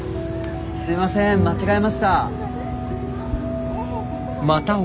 すいません間違えました。